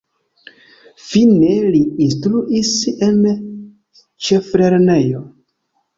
Fine li instruis en ĉeflernejo.